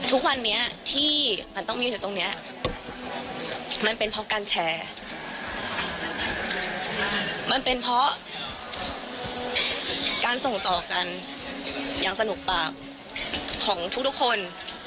ทุกวันนี้ที่มันต้องมีอยู่ตรงนี้มันเป็นเพราะการแชร์มันเป็นเพราะการส่งต่อกันอย่างสนุกปากของทุกคน